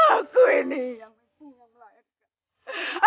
aku ini yang bunga melayani